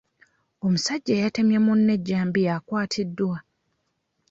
Omusajja eyatemye munne ejjambiya akwatiddwa.